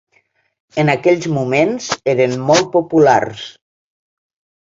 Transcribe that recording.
En aquells moments eren molt populars